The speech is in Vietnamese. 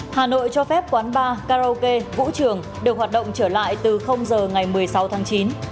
hà nội cho phép quán bar karaoke vũ trường được hoạt động trở lại từ giờ ngày một mươi sáu tháng chín